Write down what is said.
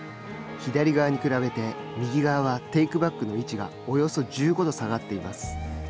左側に比べて、右側はテークバックの位置がおよそ１５度下がっています。